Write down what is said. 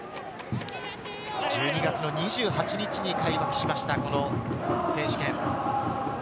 １２月の２８日に開幕しました選手権。